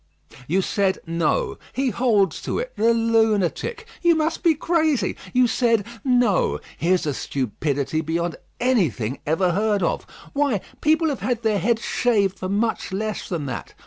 "You said, No. He holds to it, the lunatic! You must be crazy. You said, No. Here's a stupidity beyond anything ever heard of. Why, people have had their heads shaved for much less than that.